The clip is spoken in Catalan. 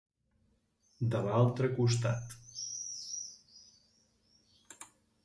De l'altre costat.